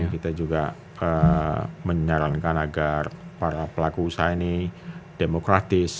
kita juga menyarankan agar para pelaku usaha ini demokratis